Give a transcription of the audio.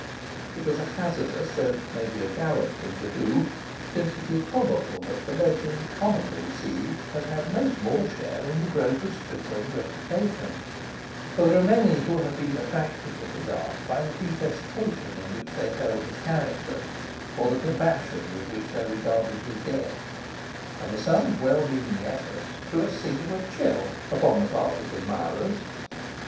It was a hazardous, though maybe a gallant thing to do, since it is probable that the legend commonly received has had no small share in the growth of Strickland's reputation; for there are many who have been attracted to his art by the detestation in which they held his character or the compassion with which they regarded his death; and the son's well meaning efforts threw a singular chill upon the father's admirers.